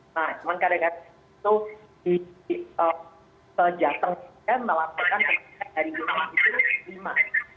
nah cuman karena itu di jateng kita melakukan kebanyakan hari hari itu lima